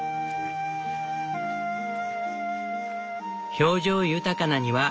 表情豊かな庭。